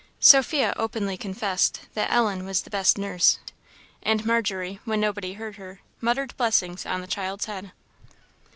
Sophia openly confessed that Ellen was the best nurse; and Margery, when nobody heard her, muttered blessings on the child's head.